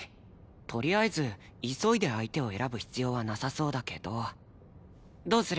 とりあえず急いで相手を選ぶ必要はなさそうだけどどうする？